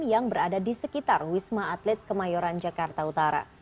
yang berada di sekitar wisma atlet kemayoran jakarta utara